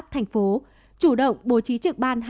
thành phố chủ động bố trí trực ban